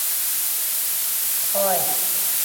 Demchinsky, and Yu.A.